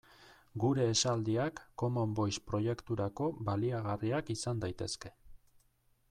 Gure esaldiak Common Voice proiekturako baliagarriak izan daitezke.